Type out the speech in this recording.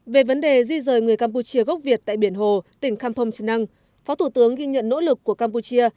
về vấn đề di rời người campuchia gốc việt tại biển hồ tỉnh kampong trần năng phó thủ tướng ghi nhận nỗ lực của campuchia